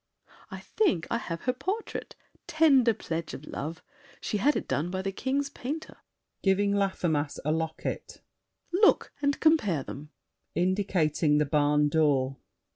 I think I have her portrait—tender pledge Of love! She had it done by the King's painter. [Giving Laffemas a locket. Look and compare them. [Indicating the barn door.